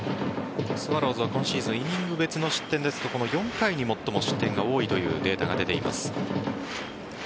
スワローズは今シーズンイニング別の失点ですと４回に最も失点が多いというデータが出ています。